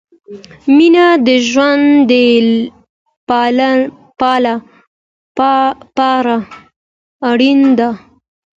مينه د ژوند له پاره اړينه ده